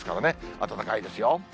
暖かいですよ。